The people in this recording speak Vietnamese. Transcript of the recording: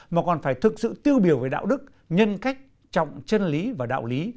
mà còn phải thực sự tiêu biểu về đạo đức nhân cách trọng chân lý và đạo lý